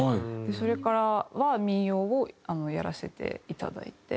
それからは民謡をやらせていただいて。